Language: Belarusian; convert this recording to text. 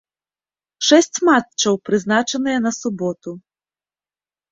Шэсць матчаў прызначаныя на суботу.